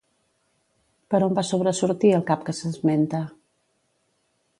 Per on va sobresortir el cap que s'esmenta?